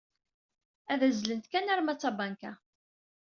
Ad azzlent kan arma d tabanka.